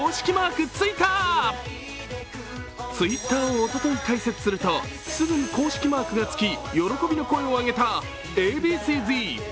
Ｔｗｉｔｔｅｒをおととい開設するとすぐに公式マークがつき喜びの声を上げたＡ．Ｂ．Ｃ−Ｚ。